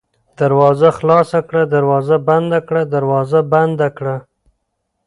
دروازه خلاصه کړه ، دروازه بنده کړه ، دروازه بنده کړه